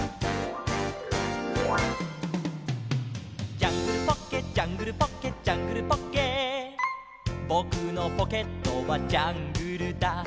「ジャングルポッケジャングルポッケ」「ジャングルポッケ」「ぼくのポケットはジャングルだ」